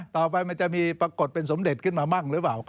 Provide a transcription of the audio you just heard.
มันจะมีปรากฏเป็นสมเด็จขึ้นมามั่งหรือเปล่า